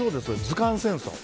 図鑑戦争。